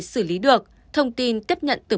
xử lý được thông tin tiếp nhận từ